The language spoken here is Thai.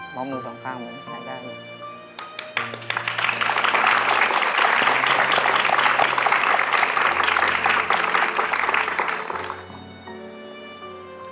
เพราะว่ามือสองข้างมันไม่ใช่ได้เลย